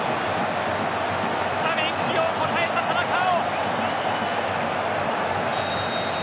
スタメン起用に応えた田中碧。